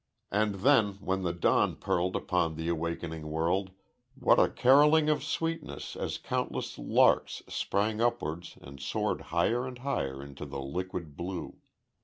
And then, when the dawn pearled upon the awakening world, what a carolling of sweetness as countless larks sprang upwards and soared higher and higher into the liquid blue.